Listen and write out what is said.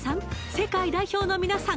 世界代表のみなさん